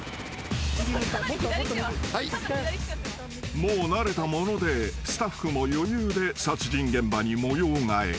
［もう慣れたものでスタッフも余裕で殺人現場に模様替え］